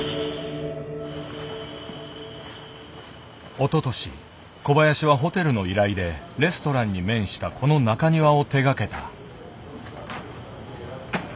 おととし小林はホテルの依頼でレストランに面したこの中庭を手がけた。